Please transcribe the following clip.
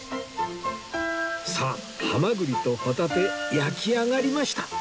さあハマグリとホタテ焼き上がりました